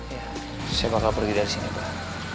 ya saya bakal pergi dari sini bah